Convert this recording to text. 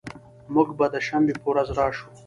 مونږ به د شنبې په ورځ راشو